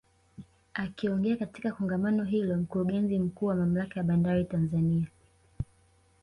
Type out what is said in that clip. Akiongea katika Kongamano hilo Mkurugenzi Mkuu wa Mamlaka ya Bandari Tanzania